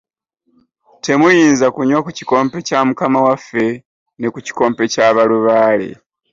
Temuyinza kunywa ku kikompe kya Mukama waffe ne ku kikompe kya balubaale.